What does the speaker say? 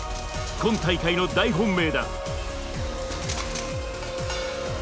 今大会の大本命だ。